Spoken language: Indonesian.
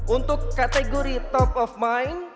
untuk kategori top of mind